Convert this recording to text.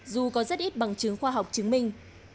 dù có rất ít bằng chứng khoa học chứng minh